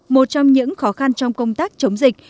một trong những khó khăn trong công tác chống dịch